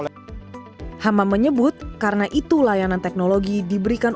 hama menyebut karena itu layanan teknologi diberikan